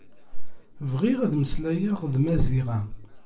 Bɣiɣ ad mmeslayeɣ d Maziɣa.